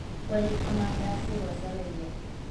ولې ته ما داسې روزلى يې.